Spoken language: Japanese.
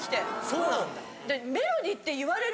そうなんだ。